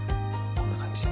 こんな感じ。